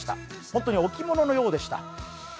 本当に置物のようでした。